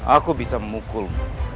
aku bisa memukulmu